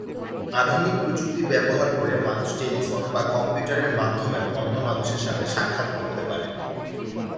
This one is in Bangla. আধুনিক প্রযুক্তি ব্যবহার করে মানুষ টেলিফোন বা কম্পিউটারের মাধ্যমেও অন্য মানুষের সাথে সাক্ষাৎ করতে পারে।